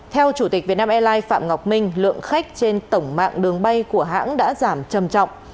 theo chủ tịch vietnam airlines phạm ngọc minh lượng khách trên tổng mạng đường bay của hãng đã giảm trầm trọng